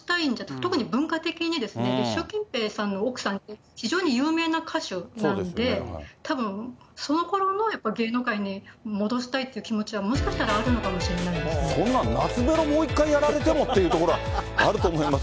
特に文化的にですね、習近平さんの奥さんって非常に有名な歌手なんで、たぶん、そのころのやっぱり芸能界に戻したいっていう気持ちはもしかしたそんな、懐メロもう１回やられてもっていうところはあると思います。